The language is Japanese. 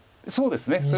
そうですね。